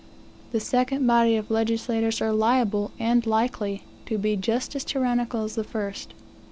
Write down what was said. The second body of legislators are liable and likely to be just as tyrannical as the first.